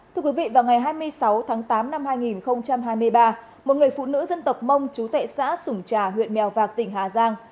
thưa quý vị vào ngày hai mươi sáu tháng tám năm hai nghìn hai mươi ba một người phụ nữ dân tộc mông chú tệ xã sủng trà huyện mèo vạc tỉnh hà giang